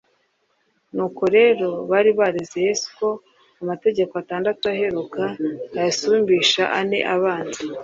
Nuko rero bari bareze Yesu ko amategeko atandatu aheruka ayasumbisha ane abanza.